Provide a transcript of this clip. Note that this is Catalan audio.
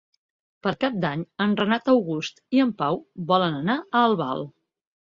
Per Cap d'Any en Renat August i en Pau volen anar a Albal.